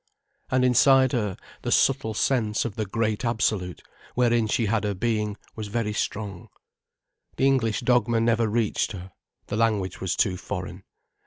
And inside her, the subtle sense of the Great Absolute wherein she had her being was very strong. The English dogma never reached her: the language was too foreign.